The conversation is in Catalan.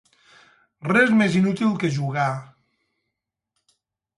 Res més inútil que jugar.